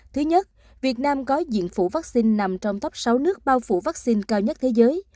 thứ nhất việt nam có diện phủ vaccine nằm trong top sáu nước bao phủ vaccine cao nhất thế giới